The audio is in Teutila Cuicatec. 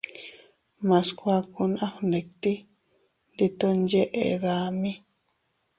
Mas kuakun a fgnditi, ndi ton yeʼe dami.